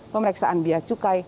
pemeriksaan biaya cukai